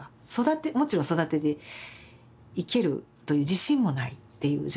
もちろん育てていけるという自信もないっていう状況をね